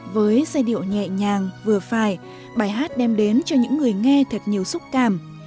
với giai điệu nhẹ nhàng vừa phải bài hát đem đến cho những người nghe thật nhiều xúc cảm